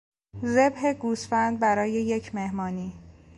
ذبح گوسفند برای یک مهمانی